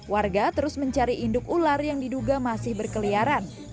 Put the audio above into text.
warga terus mencari induk ular yang diduga masih berkeliaran